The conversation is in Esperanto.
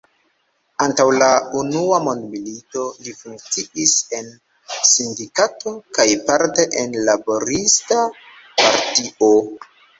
Antaŭ la unua mondmilito li funkciis en sindikato kaj parte en laborista partio.